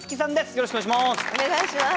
よろしくお願いします。